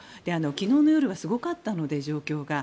昨日の夜はすごかったので状況が。